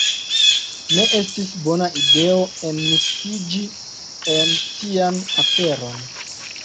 Ne estis bona ideo enmiksiĝi en tian aferon.